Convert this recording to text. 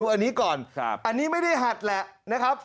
อันนี้ก่อนอันนี้ไม่ได้หัดแหละนะครับ